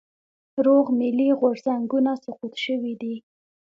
روغ ملي غورځنګونه سقوط شوي دي.